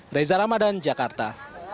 aliza ramadan jakarta